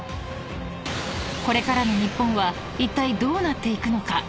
［これからの日本はいったいどうなっていくのか？］